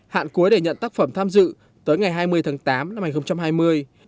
hạn cuối để nhận tác phẩm tham dự tới ngày hai mươi tháng tám năm hai nghìn hai mươi